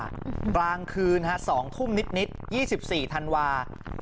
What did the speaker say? กลางคืน๒ทุ่มนิด๒๔ธันวาคม